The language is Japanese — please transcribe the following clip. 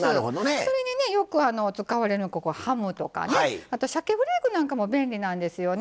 それに、よく使われるハムとか、あと鮭フレークなんかも便利なんですよね。